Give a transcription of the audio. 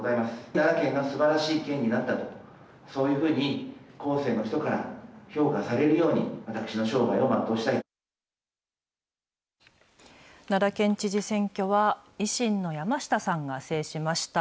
奈良県がすばらしい県になったと、そういうふうに後世の人から評価されるように、奈良県知事選挙は、維新の山下さんが制しました。